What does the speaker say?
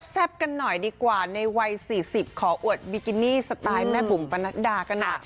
กันหน่อยดีกว่าในวัย๔๐ขออวดบิกินี่สไตล์แม่บุ๋มปนัดดากันหน่อย